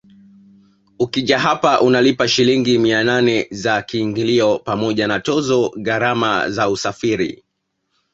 Ukija hapa unalipa Shilingi mia nane za kiingilio pamoja na tozo gharama za usafiri